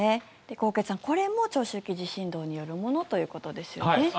纐纈さん、これも長周期地震動によるものということですよね。